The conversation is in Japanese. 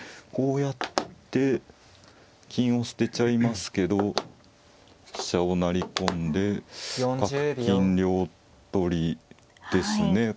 こうやって金を捨てちゃいますけど飛車を成り込んで角金両取りですね。